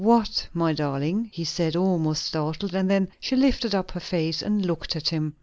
"What, my darling?" he said, almost startled. And then she lifted up her face and looked at him.